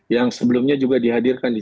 yang sebelumnya juga dihadirkan di